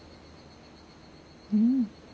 うん。